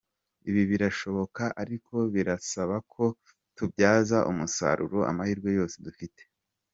Ibi birashoboka ariko birasaba ko tubyaza umusaruro amahirwe yose dufite.